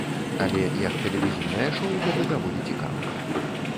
Але, як тэлевізійнае шоў, гэта даволі цікава.